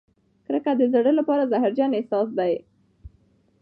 کرکه د زړه لپاره زهرجن احساس دی.